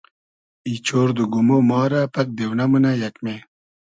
ای چۉرد و گومۉ ما رۂ پئگ دېونۂ مونۂ یئگمې